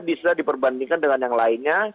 bisa diperbandingkan dengan yang lainnya